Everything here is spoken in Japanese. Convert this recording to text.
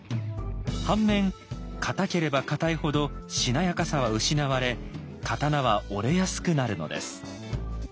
反面硬ければ硬いほどしなやかさは失われ刀は折れやすくなるのです。